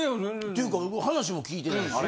ていうか話も聞いてないし。